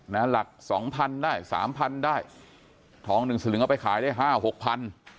หลักสองพันได้สามพันได้ทองหนึ่งสลึงเอาไปขายได้ห้าหกพัน